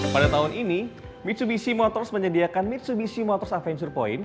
pada tahun ini mitsubishi motors menyediakan mitsubishi motors aventure point